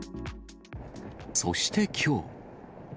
そしてきょう。